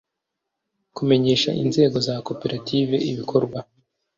kumenyesha inzego za koperative ibikorwa